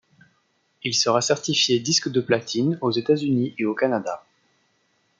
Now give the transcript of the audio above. Il sera certifié disque de platine aux États-Unis et au Canada.